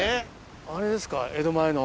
あれですか江戸前の。